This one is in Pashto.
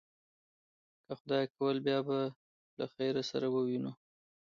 که خدای کول، بیا به له خیره سره ووینو.